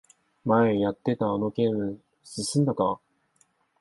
前やってたあのゲーム進んだか？